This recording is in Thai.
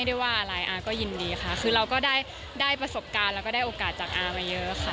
เราไปฉีกสัญญาอะไรอีก